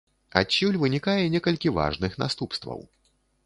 Адсюль вынікае некалькі важных наступстваў.